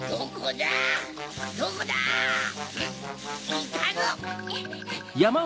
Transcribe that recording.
いたぞ！